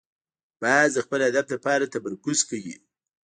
باز د خپل هدف لپاره تمرکز کوي